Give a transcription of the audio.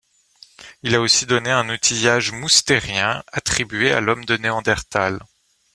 Il a aussi donné un outillage moustérien attribué à l'homme de Néandertal.